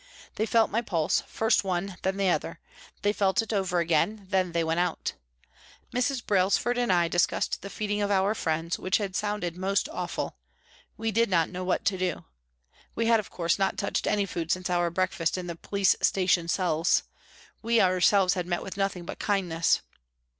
They felt my pulse, first one, then the other ; they felt it over again, then they went out. Mrs. Brailsford and I discussed the feeding of our friends, which had sounded most awful ; we did not know what to do. We had, of course, not touched any food since our breakfast in the police station cells. We ourselves had met with nothing but kindness.